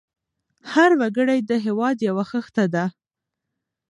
هر وګړی د هېواد یو خښته ده.